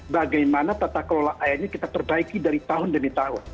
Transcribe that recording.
bagaimana tata kelola airnya kita perbaiki dari tahun demi tahun